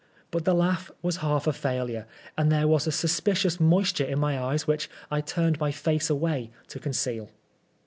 But the laugh was half a &ilure, and there was a suspicious moisture in my eyes, which I turned my face away to conceal.